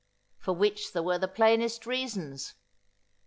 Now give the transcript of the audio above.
For which there were the plainest reasons.